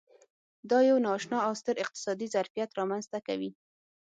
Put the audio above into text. دا یو نا اشنا او ستر اقتصادي ظرفیت رامنځته کوي.